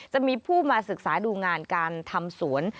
จะมีผู้มาศึกษาดูงานการทำสวน